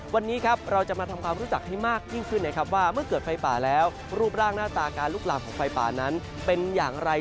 วันนี้ครับเราจะมาทำความรู้จักให้มากยิ่งขึ้นนะครับว่าเมื่อเกิดไฟป่าแล้วรูปร่างหน้าตาการลุกลามของไฟป่านั้นเป็นอย่างไร